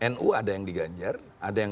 nu ada yang diganjar ada yang